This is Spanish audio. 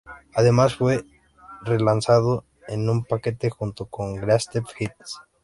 Además, fue re-lanzado en un paquete junto con Greatest Hits.